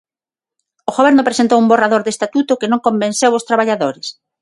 O Goberno presentou un borrador de estatuto que non convenceu aos traballadores.